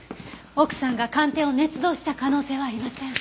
奥さんが鑑定を捏造した可能性はありません。